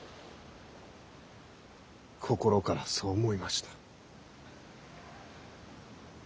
心からそう思いました。